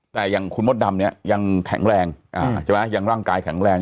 แต่คุณหมดดำยังแข็งแรงยังร่างกายแข็งแรง